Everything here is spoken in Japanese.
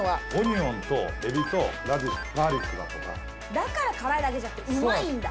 だから辛いだけじゃなくてうまいんだ！